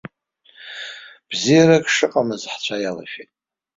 Бзиарак шыҟамыз ҳцәа иалашәеит.